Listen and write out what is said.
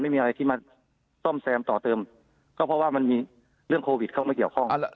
ไม่มีอะไรที่มาซ่อมแซมต่อเติมก็เพราะว่ามันมีเรื่องโควิดเข้ามาเกี่ยวข้อง